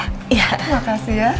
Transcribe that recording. terima kasih ya